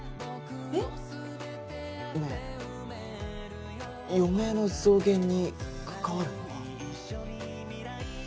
えっ？ねぇ余命の増減に関わるのは。